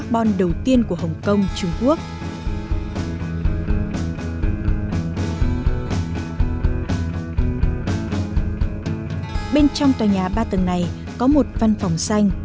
bên trong tòa nhà ba tầng này có một văn phòng xanh